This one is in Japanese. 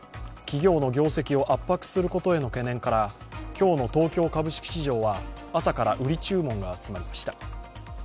企業の業績を圧迫することへの懸念から今日の東京株式市場は朝から売り注文が集まりました。